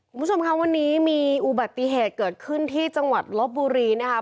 คุณผู้ชมค่ะวันนี้มีอุบัติเหตุเกิดขึ้นที่จังหวัดลบบุรีนะคะ